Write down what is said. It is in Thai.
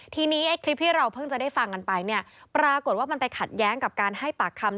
ทีนี้ไอ้คลิปที่เราเพิ่งจะได้ฟังกันไปเนี่ยปรากฏว่ามันไปขัดแย้งกับการให้ปากคำ